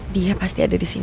dia pasti ada disini